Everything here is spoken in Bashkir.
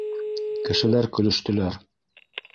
Кешеләр көлөштөләр.